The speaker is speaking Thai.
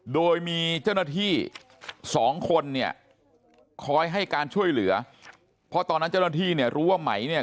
โดยมีเจ้าหน้าที่สองคนเนี่ยคอยให้การช่วยเหลือเพราะตอนนั้นเจ้าหน้าที่เนี่ยรู้ว่าไหมเนี่ย